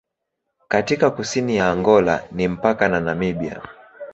Katika kusini ya Angola ni mpaka na Namibia.